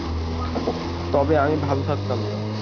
তবে, আমি ভালো থাকতাম না।